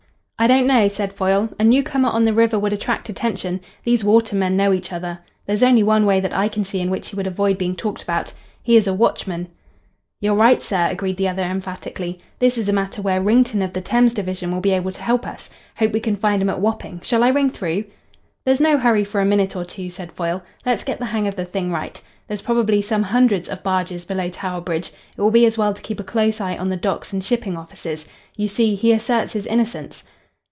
"I don't know," said Foyle. "A newcomer on the river would attract attention. These water men know each other. There's only one way that I can see in which he would avoid being talked about. He is a watchman." "You're right, sir," agreed the other emphatically. "This is a matter where Wrington of the Thames Division will be able to help us. Hope we can find him at Wapping. Shall I ring through?" "There's no hurry for a minute or two," said Foyle. "Let's get the hang of the thing right. There's probably some hundreds of barges below Tower Bridge. It will be as well to keep a close eye on the docks and shipping offices. You see, he asserts his innocence."